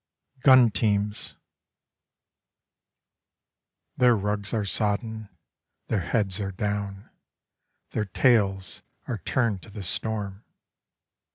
GUN TEAMS Their rugs are sodden, their heads are down, their tails are turned to the storm.